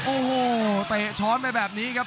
โอ้โหเตะช้อนไปแบบนี้ครับ